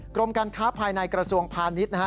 กรมการค้าภายในกระทรวงพาณิชย์นะฮะ